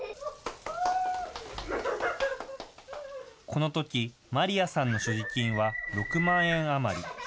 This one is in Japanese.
このとき、マリアさんの所持金は６万円余り。